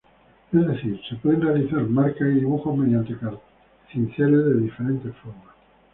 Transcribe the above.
Es decir, se pueden realizar marcas y dibujos mediante cinceles de diferentes formas.